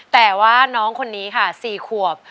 แต่ว่าน้องคนนี้ค่ะ๔ขวบ